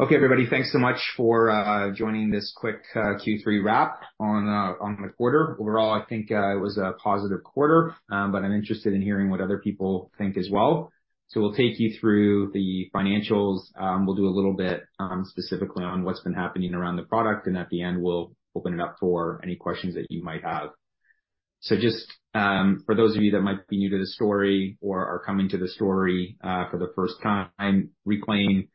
Okay, everybody, thanks so much for joining this quick Q3 wrap on the quarter. Overall, I think it was a positive quarter, but I'm interested in hearing what other people think as well. So we'll take you through the financials. We'll do a little bit specifically on what's been happening around the product, and at the end, we'll open it up for any questions that you might have. So just for those of you that might be new to the story or are coming to the story for the first time, Reklaim,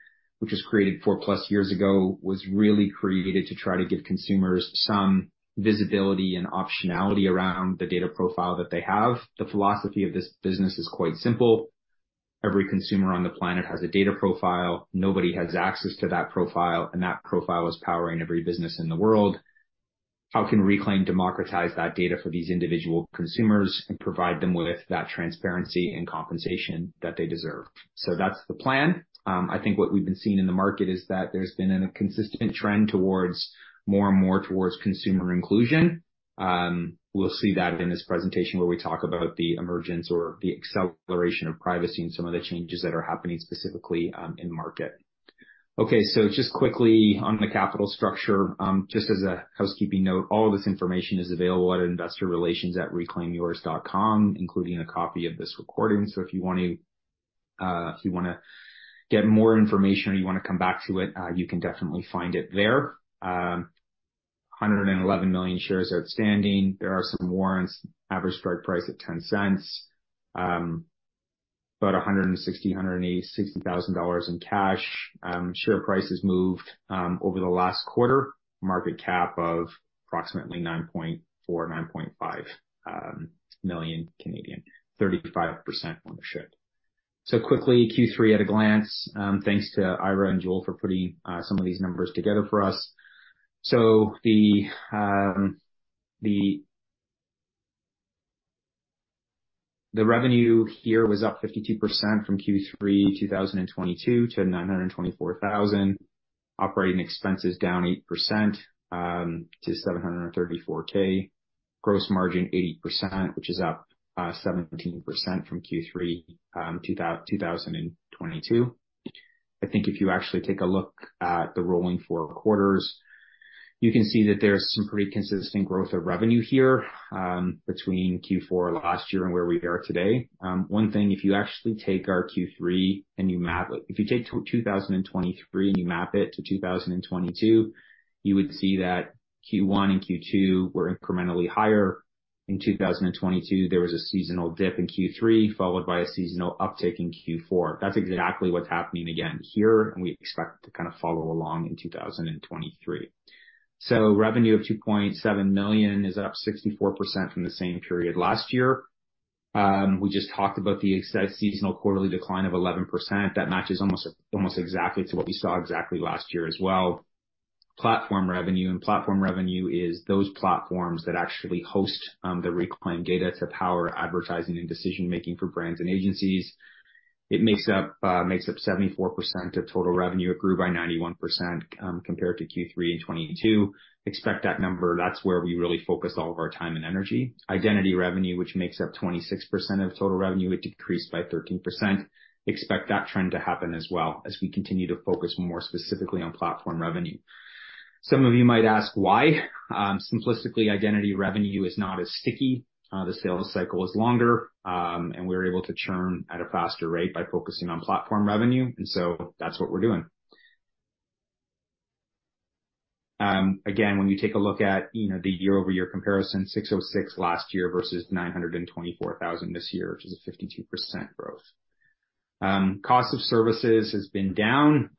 which was created 4+ years ago, was really created to try to give consumers some visibility and optionality around the data profile that they have. The philosophy of this business is quite simple: Every consumer on the planet has a data profile. Nobody has access to that profile, and that profile is powering every business in the world. How can Reklaim democratize that data for these individual consumers and provide them with that transparency and compensation that they deserve? So that's the plan. I think what we've been seeing in the market is that there's been a consistent trend towards more and more towards consumer inclusion. We'll see that in this presentation, where we talk about the emergence or the acceleration of privacy and some of the changes that are happening specifically, in the market. Okay, so just quickly on the capital structure, just as a housekeeping note, all of this information is available at investorrelations@reklaimyours.com, including a copy of this recording. So if you want to, if you wanna get more information or you wanna come back to it, you can definitely find it there. 111 million shares outstanding. There are some warrants, average strike price at 0.10, but 160,000, 180,000 dollars, 160,000 dollars in cash. Share price has moved over the last quarter, market cap of approximately 9.4 million-9.5 million, 35% ownership. So quickly, Q3 at a glance. Thanks to Ira and Jewel for putting some of these numbers together for us. So the revenue here was up 52% from Q3 2022 to 924,000. Operating expenses down 8% to 734,000. Gross margin 80%, which is up 17% from Q3 2022. I think if you actually take a look at the rolling four quarters, you can see that there's some pretty consistent growth of revenue here, between Q4 last year and where we are today. One thing, if you actually take our Q3 and you map it, if you take 2023 and you map it to 2022, you would see that Q1 and Q2 were incrementally higher. In 2022, there was a seasonal dip in Q3, followed by a seasonal uptick in Q4. That's exactly what's happening again here, and we expect to kind of follow along in 2023. So revenue of 2.7 million is up 64% from the same period last year. We just talked about the seasonal quarterly decline of 11%. That matches almost, almost exactly to what we saw exactly last year as well. Platform revenue, and platform revenue is those platforms that actually host the Reklaim data to power advertising and decision-making for brands and agencies. It makes up 74% of total revenue. It grew by 91%, compared to Q3 in 2022. Expect that number, that's where we really focus all of our time and energy. Identity revenue, which makes up 26% of total revenue, it decreased by 13%. Expect that trend to happen as well as we continue to focus more specifically on platform revenue. Some of you might ask, why? Simplistically, identity revenue is not as sticky. The sales cycle is longer, and we're able to churn at a faster rate by focusing on platform revenue, and so that's what we're doing. Again, when you take a look at, you know, the year-over-year comparison, 606,000 last year versus 924,000 this year, which is a 52% growth. Cost of services has been down,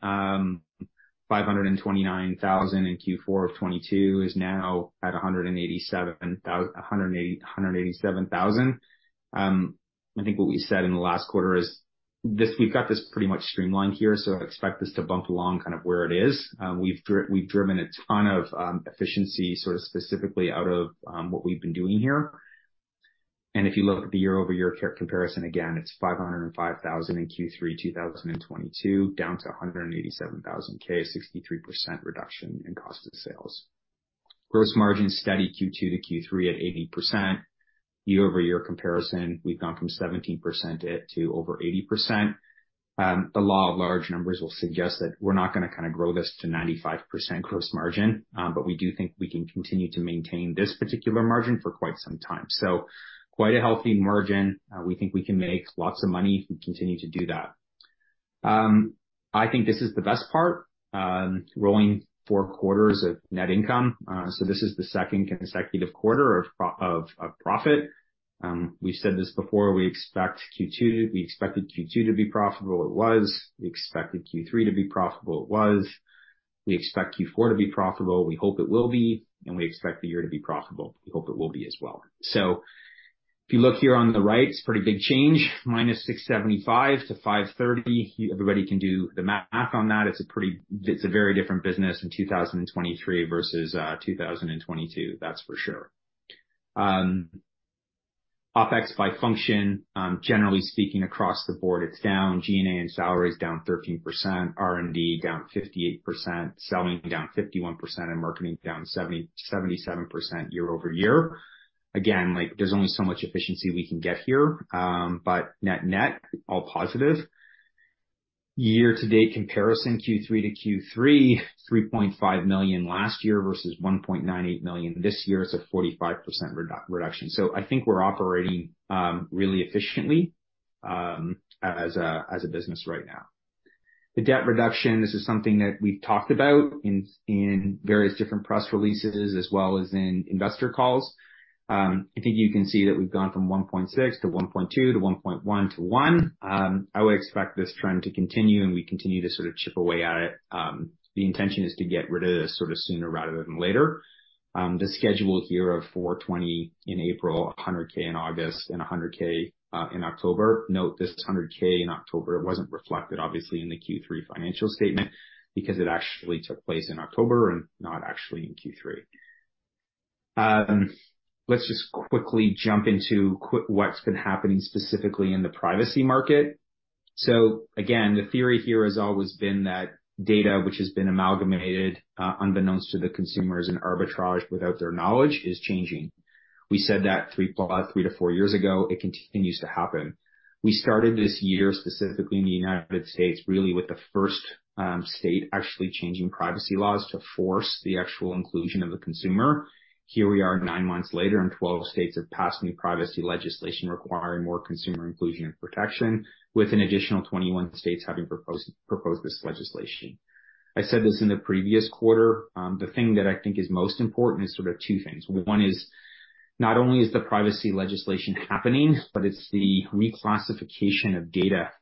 529,000 in Q4 of 2022, is now at 187,000. I think what we said in the last quarter is this. We've got this pretty much streamlined here, so expect this to bump along kind of where it is. We've driven a ton of efficiency sort of specifically out of what we've been doing here. If you look at the year-over-year comparison, again, it's 505,000 in Q3 2022, down to 187,000, a 63% reduction in cost of sales. Gross margin, steady Q2-Q3 at 80%. Year-over-year comparison, we've gone from 17% to over 80%. The law of large numbers will suggest that we're not gonna kind of grow this to 95% gross margin, but we do think we can continue to maintain this particular margin for quite some time. So quite a healthy margin. We think we can make lots of money if we continue to do that. I think this is the best part, rolling four quarters of net income. So this is the second consecutive quarter of profit. We've said this before, we expect Q2. We expected Q2 to be profitable. It was. We expected Q3 to be profitable. It was. We expect Q4 to be profitable. We hope it will be, and we expect the year to be profitable. We hope it will be as well. So if you look here on the right, it's a pretty big change, -675 to 530. Everybody can do the math on that. It's a very different business in 2023 versus 2022. That's for sure. OpEx by function, generally speaking, across the board, it's down. G&A and salary is down 13%, R&D down 58%, selling down 51%, and marketing down 77% year-over-year. Again, like, there's only so much efficiency we can get here, but net, net, all positive. Year-to-date comparison, Q3 to Q3, 3.5 million last year versus 1.98 million this year, it's a 45% reduction. So I think we're operating really efficiently as a business right now. The debt reduction, this is something that we've talked about in various different press releases as well as in investor calls. I think you can see that we've gone from 1.6-1.2-CAD 1.1-CAD 1. I would expect this trend to continue, and we continue to sort of chip away at it. The intention is to get rid of this sort of sooner rather than later. The schedule here of 420,000 in April, 100,000 in August and 100,000 in October. Note, this 100K in October, it wasn't reflected obviously in the Q3 financial statement because it actually took place in October and not actually in Q3. Let's just quickly jump into what's been happening specifically in the privacy market. So again, the theory here has always been that data which has been amalgamated, unbeknownst to the consumers and arbitraged without their knowledge, is changing. We said that 3+, 3-4 years ago, it continues to happen. We started this year, specifically in the United States, really with the first state actually changing privacy laws to force the actual inclusion of the consumer. Here we are, nine months later, and 12 states have passed new privacy legislation requiring more consumer inclusion and protection, with an additional 21 states having proposed this legislation. I said this in the previous quarter, the thing that I think is most important is sort of two things. One is, not only is the privacy legislation happening, but it's the reclassification of data,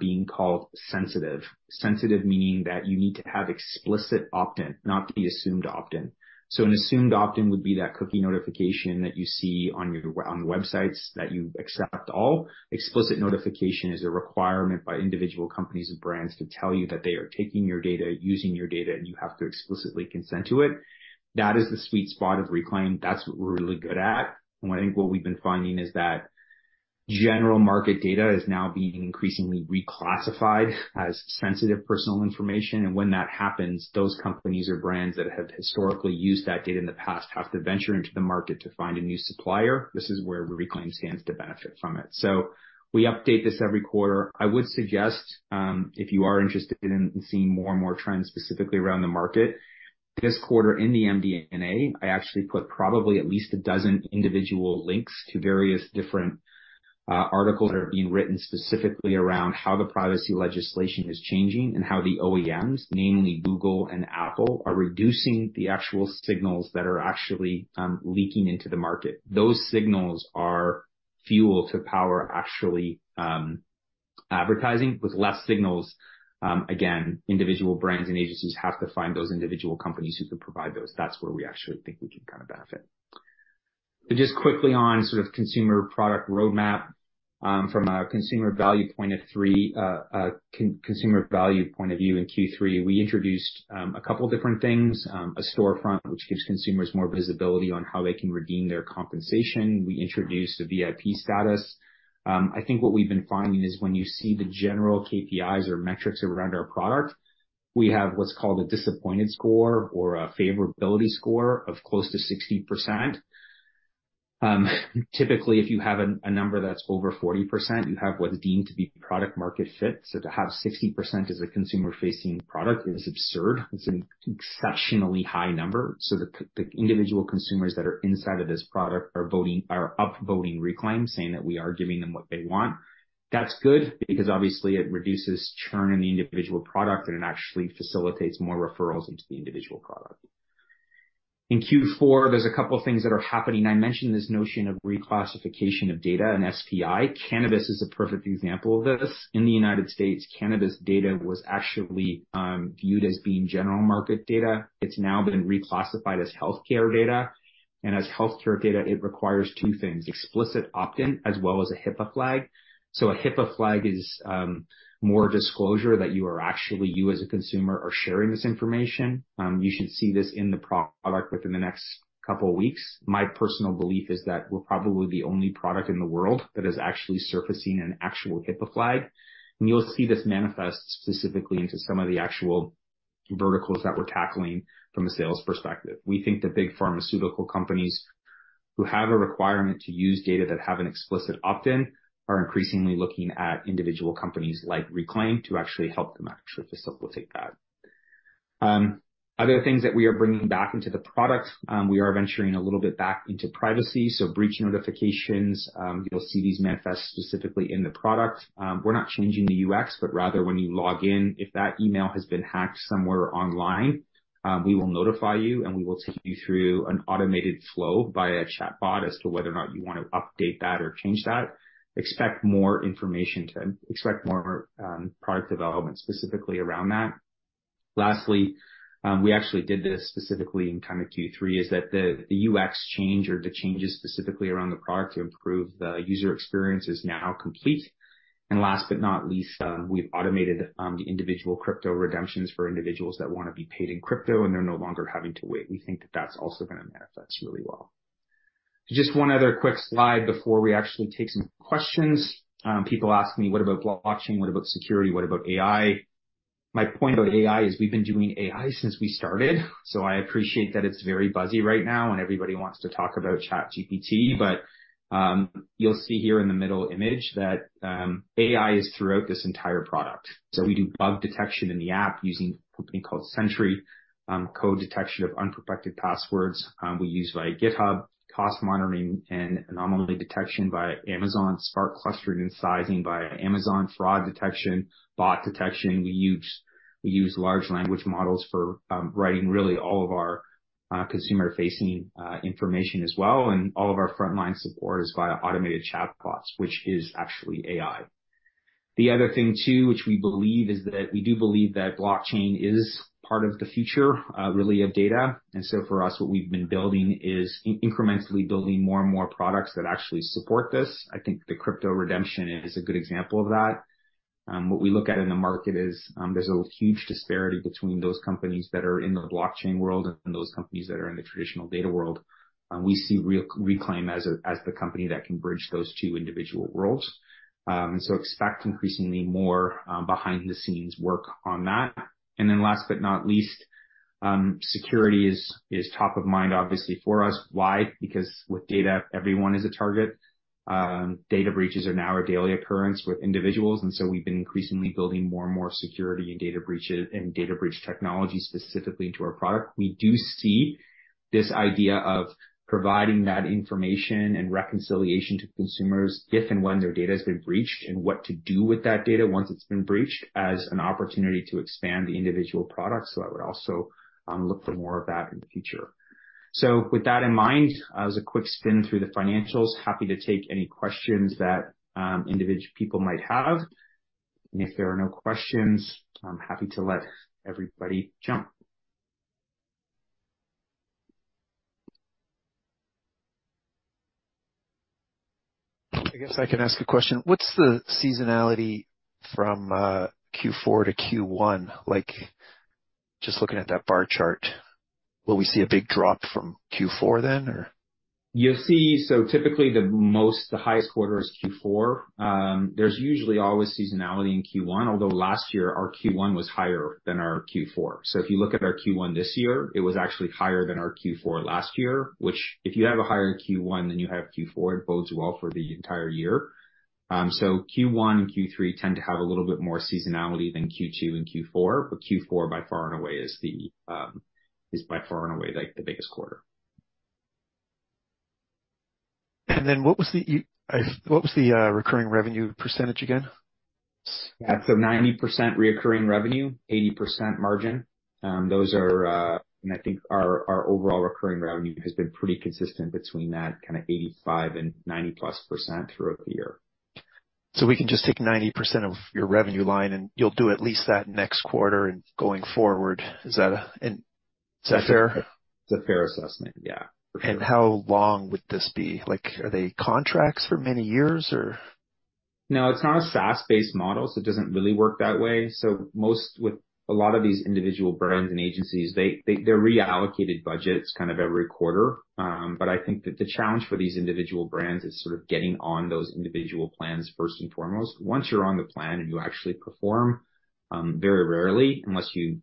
being called sensitive. Sensitive meaning that you need to have explicit opt-in, not the assumed opt-in. So an assumed opt-in would be that cookie notification that you see on your, on websites that you accept all. Explicit notification is a requirement by individual companies and brands to tell you that they are taking your data, using your data, and you have to explicitly consent to it. That is the sweet spot of Reklaim. That's what we're really good at. I think what we've been finding is that general market data is now being increasingly reclassified as sensitive personal information, and when that happens, those companies or brands that have historically used that data in the past have to venture into the market to find a new supplier. This is where Reklaim stands to benefit from it. We update this every quarter. I would suggest, if you are interested in seeing more and more trends, specifically around the market, this quarter in the MD&A, I actually put probably at least a dozen individual links to various different, articles that are being written specifically around how the privacy legislation is changing and how the OEMs, namely Google and Apple, are reducing the actual signals that are actually, leaking into the market. Those signals are fuel to power, actually, advertising. With less signals, again, individual brands and agencies have to find those individual companies who can provide those. That's where we actually think we can kind of benefit. But just quickly on sort of consumer product roadmap. From a consumer value point of view in Q3, we introduced a couple different things. A storefront, which gives consumers more visibility on how they can redeem their compensation. We introduced a VIP status. I think what we've been finding is when you see the general KPIs or metrics around our product, we have what's called a disappointed score or a favorability score of close to 60%. Typically, if you have a number that's over 40%, you have what is deemed to be product market fit. So to have 60% as a consumer-facing product is absurd. It's an exceptionally high number. So the individual consumers that are inside of this product are voting are upvoting Reklaim, saying that we are giving them what they want. That's good because obviously it reduces churn in the individual product, and it actually facilitates more referrals into the individual product. In Q4, there's a couple of things that are happening. I mentioned this notion of reclassification of data and SPI. Cannabis is a perfect example of this. In the United States, cannabis data was actually viewed as being general market data. It's now been reclassified as healthcare data, and as healthcare data, it requires two things, explicit opt-in as well as a HIPAA flag. So a HIPAA flag is more disclosure that you are actually, you, as a consumer, are sharing this information. You should see this in the product within the next couple of weeks. My personal belief is that we're probably the only product in the world that is actually surfacing an actual HIPAA flag, and you'll see this manifest specifically into some of the actual verticals that we're tackling from a sales perspective. We think the big pharmaceutical companies who have a requirement to use data that have an explicit opt-in are increasingly looking at individual companies like Reklaim to actually help them actually facilitate that. Other things that we are bringing back into the product, we are venturing a little bit back into privacy, so breach notifications. You'll see these manifest specifically in the product. We're not changing the UX, but rather, when you log in, if that email has been hacked somewhere online, we will notify you, and we will take you through an automated flow via chatbot as to whether or not you want to update that or change that. Expect more product development specifically around that. Lastly, we actually did this specifically in kind of Q3, is that the UX change or the changes specifically around the product to improve the user experience is now complete. And last but not least, we've automated the individual crypto redemptions for individuals that want to be paid in crypto, and they're no longer having to wait. We think that that's also gonna manifest really well. Just one other quick slide before we actually take some questions. People ask me, "What about blockchain? What about security? What about AI?" My point about AI is we've been doing AI since we started, so I appreciate that it's very buzzy right now, and everybody wants to talk about ChatGPT, but you'll see here in the middle image that AI is throughout this entire product. So we do bug detection in the app using a company called Sentry, code detection of unprotected passwords, we use via GitHub, cost monitoring and anomaly detection via Amazon, Spark clustering and sizing via Amazon fraud detection, bot detection. We use large language models for writing really all of our consumer-facing information as well, and all of our frontline support is via automated chatbots, which is actually AI. The other thing, too, which we believe, is that we do believe that blockchain is part of the future, really, of data. And so for us, what we've been building is incrementally building more and more products that actually support this. I think the crypto redemption is a good example of that. What we look at in the market is, there's a huge disparity between those companies that are in the blockchain world and those companies that are in the traditional data world. And we see Reklaim as a, as the company that can bridge those two individual worlds. And so expect increasingly more, behind the scenes work on that. And then last but not least, security is top of mind, obviously, for us. Why? Because with data, everyone is a target. Data breaches are now a daily occurrence with individuals, and so we've been increasingly building more and more security in data breaches and data breach technology specifically into our product. We do see this idea of providing that information and reconciliation to consumers if and when their data has been breached, and what to do with that data once it's been breached, as an opportunity to expand the individual product. So I would also look for more of that in the future. So with that in mind, as a quick spin through the financials, happy to take any questions that individual people might have. And if there are no questions, I'm happy to let everybody jump. I guess I can ask a question. What's the seasonality from Q4-Q1? Like, just looking at that bar chart, will we see a big drop from Q4 then, or? You'll see. So typically, the most, the highest quarter is Q4. There's usually always seasonality in Q1, although last year our Q1 was higher than our Q4. So if you look at our Q1 this year, it was actually higher than our Q4 last year, which if you have a higher Q1 than you have Q4, it bodes well for the entire year. So Q1 and Q3 tend to have a little bit more seasonality than Q2 and Q4, but Q4 by far and away is the, is by far and away, like, the biggest quarter. What was the recurring revenue percentage again? 90% recurring revenue, 80% margin. Those are. I think our overall recurring revenue has been pretty consistent between that, kind of 85% and 90%+ throughout the year. So we can just take 90% of your revenue line, and you'll do at least that next quarter and going forward. Is that fair? It's a fair assessment. Yeah, for sure. How long would this be? Like, are they contracts for many years, or? No, it's not a SaaS-based model, so it doesn't really work that way. So most, with a lot of these individual brands and agencies, they're reallocated budgets kind of every quarter. But I think that the challenge for these individual brands is sort of getting on those individual plans first and foremost. Once you're on the plan and you actually perform, very rarely, unless you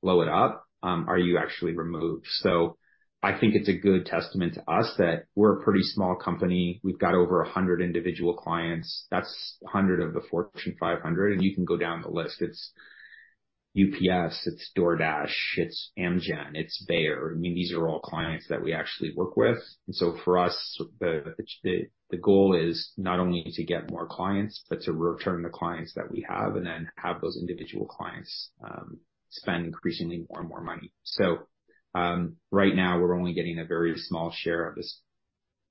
blow it up, are you actually removed. So I think it's a good testament to us that we're a pretty small company. We've got over 100 individual clients. That's 100 of the Fortune 500, and you can go down the list. It's UPS, it's DoorDash, it's Amgen, it's Bayer. I mean, these are all clients that we actually work with. And so for us, the goal is not only to get more clients, but to return the clients that we have and then have those individual clients, spend increasingly more and more money. So, right now, we're only getting a very small share of this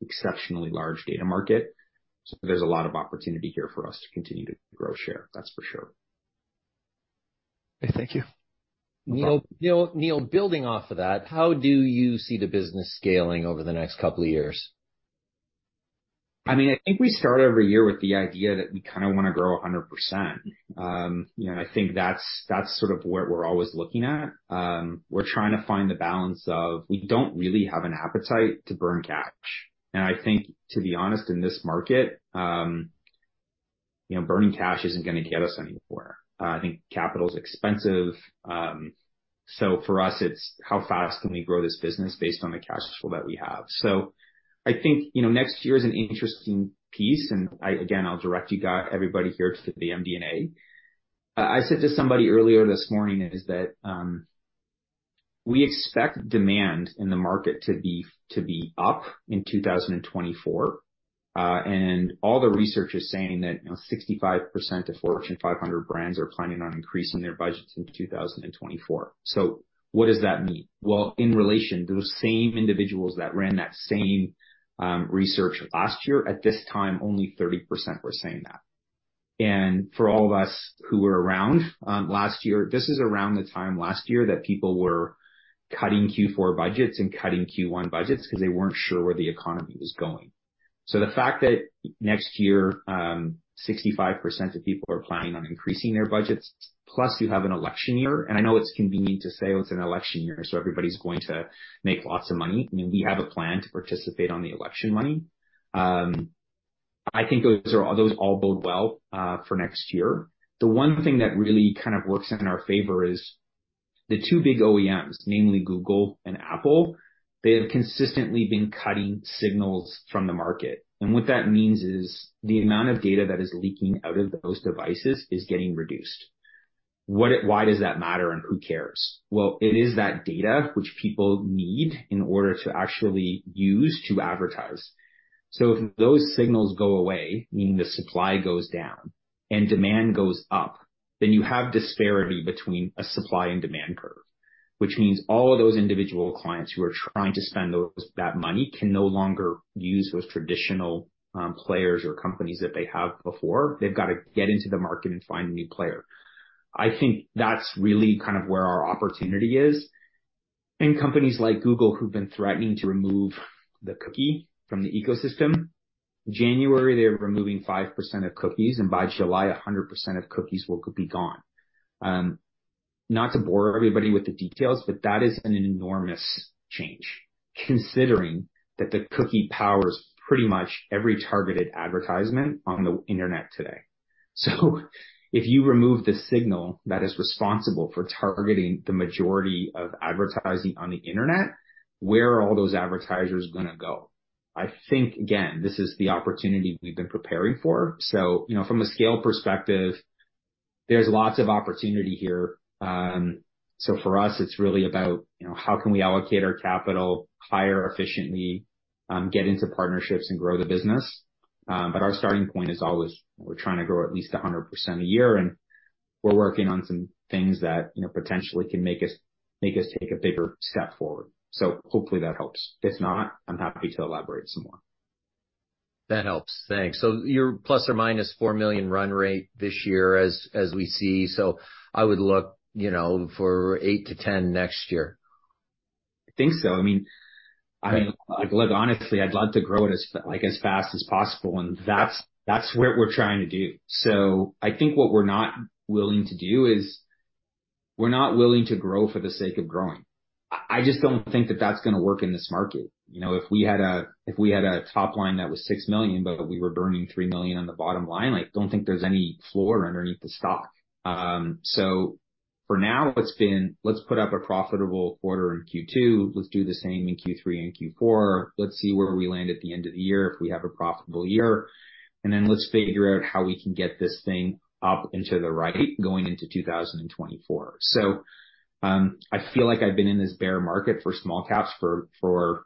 exceptionally large data market, so there's a lot of opportunity here for us to continue to grow share. That's for sure. Okay, thank you. Neil, Neil, Neil, building off of that, how do you see the business scaling over the next couple of years? I mean, I think we start every year with the idea that we kinda wanna grow 100%. You know, and I think that's, that's sort of what we're always looking at. We're trying to find the balance of, we don't really have an appetite to burn cash. And I think, to be honest, in this market, you know, burning cash isn't gonna get us anywhere. I think capital is expensive. So for us, it's how fast can we grow this business based on the cash flow that we have? So I think, you know, next year is an interesting piece, and I, again, I'll direct you guy- everybody here to the MD&A. I said to somebody earlier this morning is that, we expect demand in the market to be, to be up in 2024. And all the research is saying that, you know, 65% of Fortune 500 brands are planning on increasing their budgets in 2024. So what does that mean? Well, in relation to the same individuals that ran that same research last year, at this time, only 30% were saying that. And for all of us who were around last year, this is around the time last year that people were cutting Q4 budgets and cutting Q1 budgets because they weren't sure where the economy was going. So the fact that next year 65% of people are planning on increasing their budgets, plus you have an election year, and I know it's convenient to say, "Oh, it's an election year, so everybody's going to make lots of money." I mean, we have a plan to participate on the election money. I think those are, those all bode well for next year. The one thing that really kind of works in our favor is the two big OEMs, namely Google and Apple. They have consistently been cutting signals from the market. And what that means is the amount of data that is leaking out of those devices is getting reduced. What it, why does that matter, and who cares? Well, it is that data which people need in order to actually use to advertise. So if those signals go away, meaning the supply goes down and demand goes up, then you have disparity between a supply and demand curve, which means all of those individual clients who are trying to spend those, that money, can no longer use those traditional players or companies that they have before. They've got to get into the market and find a new player. I think that's really kind of where our opportunity is. And companies like Google, who've been threatening to remove the cookie from the ecosystem, January, they're removing 5% of cookies, and by July, 100% of cookies will be gone. Not to bore everybody with the details, but that is an enormous change, considering that the cookie powers pretty much every targeted advertisement on the internet today. So if you remove the signal that is responsible for targeting the majority of advertising on the internet, where are all those advertisers gonna go? I think, again, this is the opportunity we've been preparing for. So, you know, from a scale perspective, there's lots of opportunity here. So for us, it's really about, you know, how can we allocate our capital, hire efficiently, get into partnerships and grow the business? But our starting point is always, we're trying to grow at least 100% a year, and we're working on some things that, you know, potentially can make us take a bigger step forward. So hopefully that helps. If not, I'm happy to elaborate some more. That helps. Thanks. So your ±4 million run rate this year as, as we see, so I would look, you know, for 8 million-10 million next year. I think so. I mean, I mean, like, look, honestly, I'd love to grow it as, like, as fast as possible, and that's, that's what we're trying to do. So I think what we're not willing to do is we're not willing to grow for the sake of growing. I, I just don't think that that's gonna work in this market. You know, if we had a, if we had a top line that was 6 million, but we were burning 3 million on the bottom line, I don't think there's any floor underneath the stock. So for now, it's been, let's put up a profitable quarter in Q2, let's do the same in Q3 and Q4. Let's see where we land at the end of the year, if we have a profitable year, and then let's figure out how we can get this thing up into the right, going into 2024. So, I feel like I've been in this bear market for small caps forever,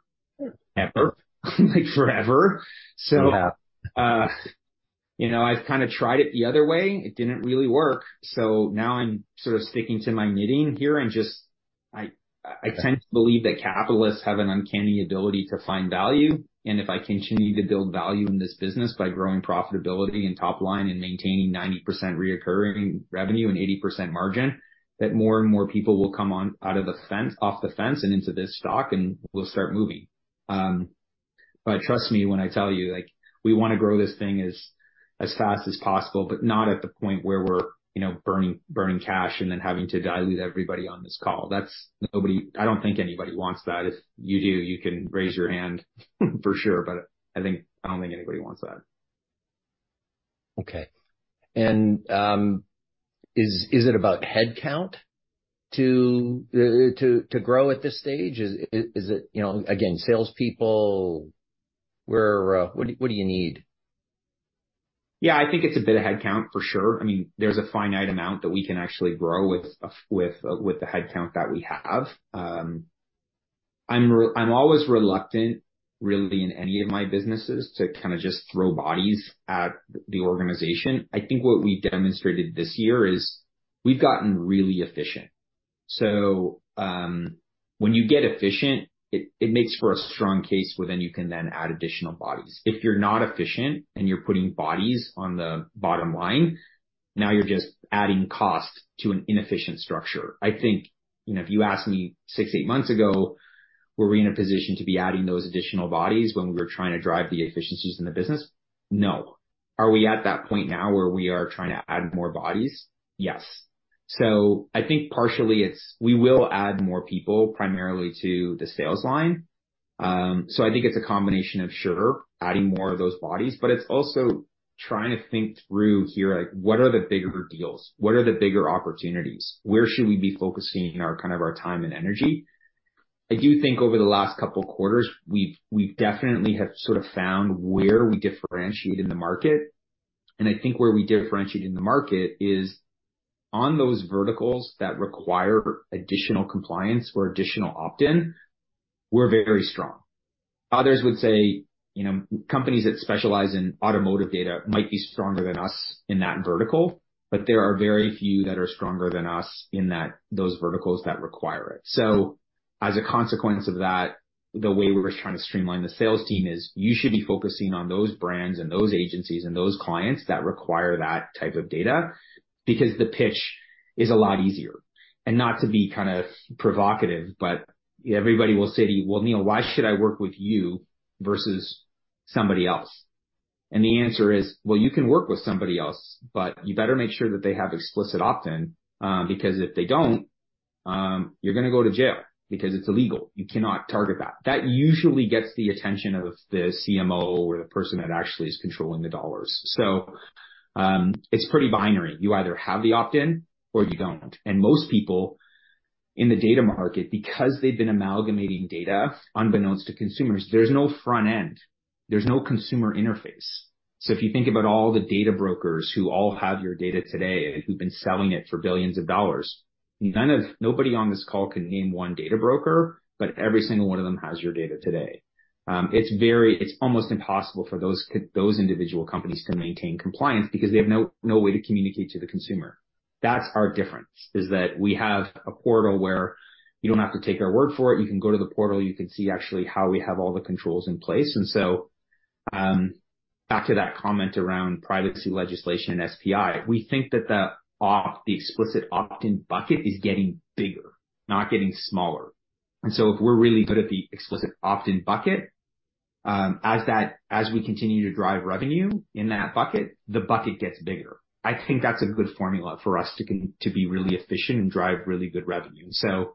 like forever. Yeah. So, you know, I've kind of tried it the other way. It didn't really work, so now I'm sort of sticking to my knitting here and just. I tend to believe that capitalists have an uncanny ability to find value, and if I continue to build value in this business by growing profitability and top line and maintaining 90% recurring revenue and 80% margin, that more and more people will come on out of the fence—off the fence and into this stock, and we'll start moving. But trust me, when I tell you, like, we wanna grow this thing as fast as possible, but not at the point where we're, you know, burning cash and then having to dilute everybody on this call. That's nobody. I don't think anybody wants that. If you do, you can raise your hand, for sure, but I think, I don't think anybody wants that. Okay. And, is it about headcount to grow at this stage? Is it, you know, again, salespeople, where, what do you need? Yeah, I think it's a bit of headcount for sure. I mean, there's a finite amount that we can actually grow with the headcount that we have. I'm always reluctant, really, in any of my businesses to kind of just throw bodies at the organization. I think what we demonstrated this year is we've gotten really efficient. So, when you get efficient, it makes for a strong case where then you can then add additional bodies. If you're not efficient and you're putting bodies on the bottom line, now you're just adding cost to an inefficient structure. I think, you know, if you asked me six, eight months ago, were we in a position to be adding those additional bodies when we were trying to drive the efficiencies in the business? No. Are we at that point now where we are trying to add more bodies? Yes. So I think partially it's we will add more people primarily to the sales line. So I think it's a combination of sure, adding more of those bodies, but it's also trying to think through here, like, what are the bigger deals? What are the bigger opportunities? Where should we be focusing our kind of our time and energy? I do think over the last couple of quarters, we've definitely have sort of found where we differentiate in the market, and I think where we differentiate in the market is on those verticals that require additional compliance or additional opt-in, we're very strong. Others would say, you know, companies that specialize in automotive data might be stronger than us in that vertical, but there are very few that are stronger than us in that, those verticals that require it. So as a consequence of that, the way we're trying to streamline the sales team is, you should be focusing on those brands and those agencies and those clients that require that type of data, because the pitch is a lot easier. And not to be kind of provocative, but everybody will say to you, "Well, Neil, why should I work with you versus somebody else?" And the answer is, well, you can work with somebody else, but you better make sure that they have explicit opt-in, because if they don't, you're gonna go to jail because it's illegal. You cannot target that. That usually gets the attention of the CMO or the person that actually is controlling the dollars. So, it's pretty binary. You either have the opt-in or you don't, and most people in the data market, because they've been amalgamating data unbeknownst to consumers, there's no front end, there's no consumer interface. So if you think about all the data brokers who all have your data today, who've been selling it for billions of dollars, nobody on this call can name one data broker, but every single one of them has your data today. It's very—it's almost impossible for those individual companies to maintain compliance because they have no way to communicate to the consumer. That's our difference, is that we have a portal where you don't have to take our word for it. You can go to the portal, you can see actually how we have all the controls in place. And so, back to that comment around privacy legislation and SPI, we think that the explicit opt-in bucket is getting bigger, not getting smaller. And so if we're really good at the explicit opt-in bucket, as we continue to drive revenue in that bucket, the bucket gets bigger. I think that's a good formula for us to be really efficient and drive really good revenue. So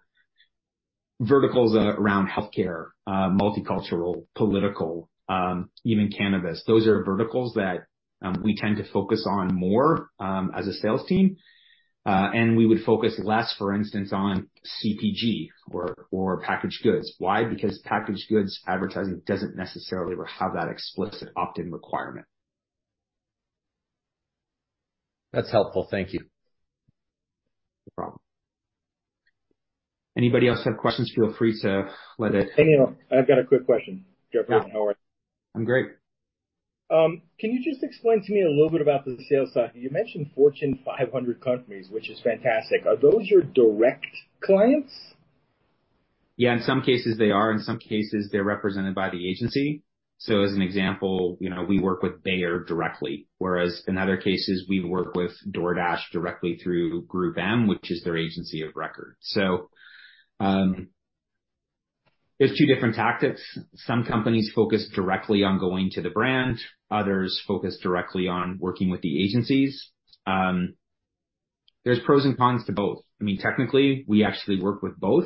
verticals around healthcare, multicultural, political, even cannabis, those are verticals that we tend to focus on more as a sales team. And we would focus less, for instance, on CPG or packaged goods. Why? Because packaged goods advertising doesn't necessarily have that explicit opt-in requirement. That's helpful. Thank you. No problem. Anybody else have questions, feel free to let it- Hey, Neil, I've got a quick question. Yeah. How are you? I'm great. Can you just explain to me a little bit about the sales side? You mentioned Fortune 500 companies, which is fantastic. Are those your direct clients? Yeah, in some cases they are. In some cases, they're represented by the agency. So as an example, you know, we work with Bayer directly, whereas in other cases we work with DoorDash directly through GroupM, which is their agency of record. So, there's two different tactics. Some companies focus directly on going to the brand, others focus directly on working with the agencies. There's pros and cons to both. I mean, technically, we actually work with both.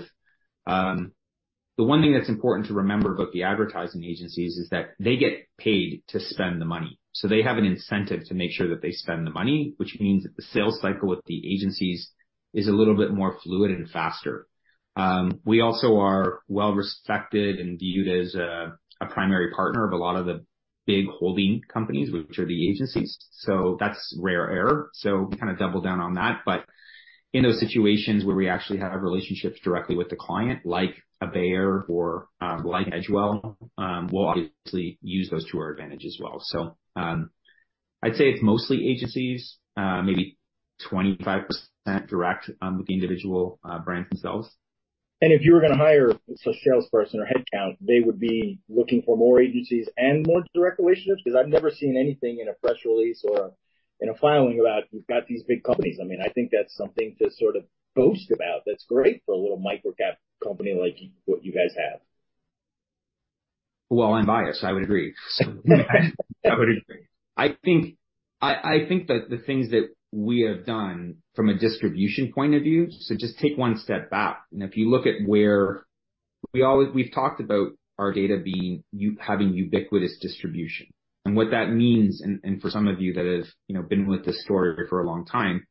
The one thing that's important to remember about the advertising agencies is that they get paid to spend the money, so they have an incentive to make sure that they spend the money, which means that the sales cycle with the agencies is a little bit more fluid and faster. We also are well respected and viewed as a primary partner of a lot of the big holding companies, which are the agencies. So that's rare air. So we kind of double down on that. But in those situations where we actually have relationships directly with the client, like Bayer or like Edgewell, we'll obviously use those to our advantage as well. So I'd say it's mostly agencies, maybe 25% direct with the individual brands themselves. And if you were gonna hire a salesperson or headcount, they would be looking for more agencies and more direct relationships? Because I've never seen anything in a press release or in a filing about you've got these big companies. I mean, I think that's something to sort of boast about. That's great for a little micro-cap company like what you guys have. Well, I'm biased. I would agree. I would agree. I think that the things that we have done from a distribution point of view, so just take one step back, and if you look at where—we've talked about our data being having ubiquitous distribution and what that means, and for some of you that have, you know, been with this story for a long time,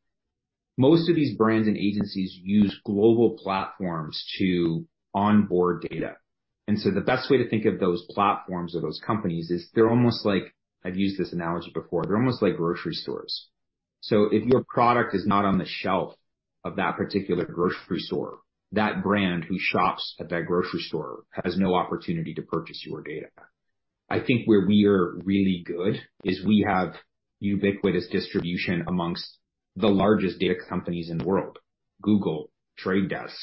most of these brands and agencies use global platforms to onboard data. And so the best way to think of those platforms or those companies is they're almost like, I've used this analogy before, they're almost like grocery stores. So if your product is not on the shelf of that particular grocery store, that brand who shops at that grocery store has no opportunity to purchase your data. I think where we are really good is we have ubiquitous distribution amongst the largest data companies in the world, Google, The Trade Desk,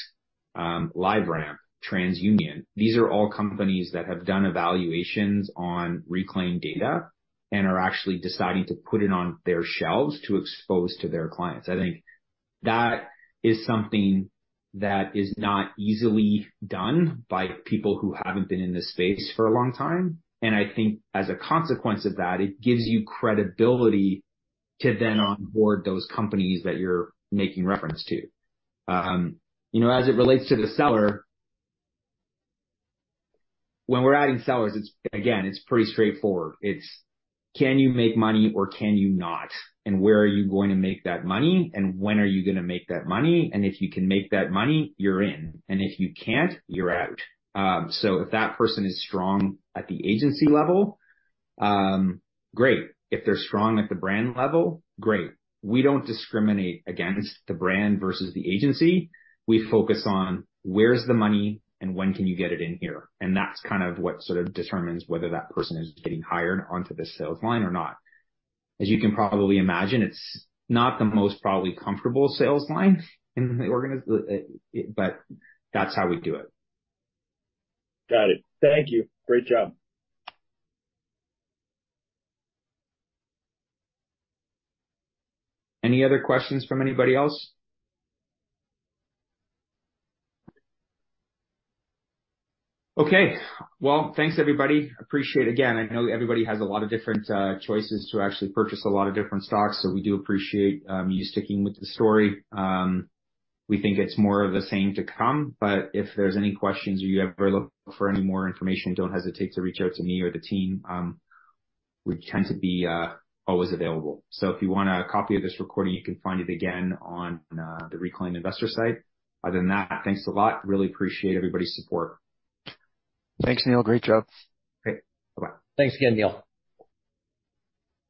LiveRamp, TransUnion. These are all companies that have done evaluations on Reklaim data and are actually deciding to put it on their shelves to expose to their clients. I think that is something that is not easily done by people who haven't been in this space for a long time, and I think as a consequence of that, it gives you credibility to then onboard those companies that you're making reference to. You know, as it relates to the seller, when we're adding sellers, it's, again, it's pretty straightforward. It's can you make money or can you not? And where are you going to make that money? And when are you gonna make that money? And if you can make that money, you're in, and if you can't, you're out. So if that person is strong at the agency level, great! If they're strong at the brand level, great. We don't discriminate against the brand versus the agency. We focus on where's the money and when can you get it in here, and that's kind of what sort of determines whether that person is getting hired onto the sales line or not. As you can probably imagine, it's not the most probably comfortable sales line in the organization, but that's how we do it. Got it. Thank you. Great job. Any other questions from anybody else? Okay, well, thanks, everybody. Appreciate it. Again, I know everybody has a lot of different choices to actually purchase a lot of different stocks, so we do appreciate you sticking with the story. We think it's more of the same to come, but if there's any questions or you ever look for any more information, don't hesitate to reach out to me or the team. We tend to be always available. So if you want a copy of this recording, you can find it again on the Reklaim investor site. Other than that, thanks a lot. Really appreciate everybody's support. Thanks, Neil. Great job. Great. Bye-bye. Thanks again, Neil.